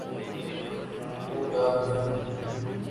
وہ نا گزیر ہے